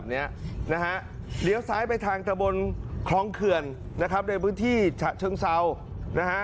เหลียวซ้ายไปทางตะบนคล้องเขื่อนนะครับโดยพื้นที่ฉะเชิงเซานะฮะ